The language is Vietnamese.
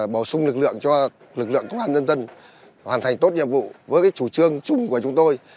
bổ sung lực lượng cho lực lượng công an nhân dân hoàn thành tốt nhiệm vụ với chủ trương chung của chúng tôi